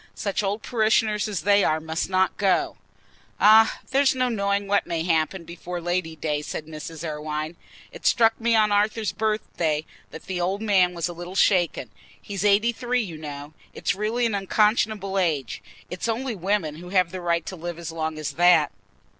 Such old parishioners as they are must not go." "Ah, there's no knowing what may happen before Lady day," said Mrs. Irwine. "It struck me on Arthur's birthday that the old man was a little shaken: he's eighty three, you know. It's really an unconscionable age. It's only women who have a right to live as long as that."